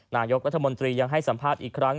นายกรัฐมนตรียังให้สัมภาษณ์อีกครั้ง